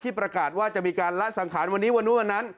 ประกาศว่าจะมีการละสังขารวันนี้วันนู้นวันนั้น